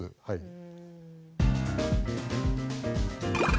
はい。